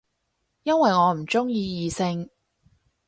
因為我唔鍾意異性